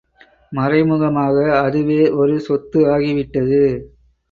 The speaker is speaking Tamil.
மறைமுகமாக அதுவே ஒரு சொத்து ஆகிவிட்டது.